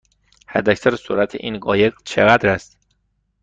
حداکثر سرعت این قایق چقدر است؟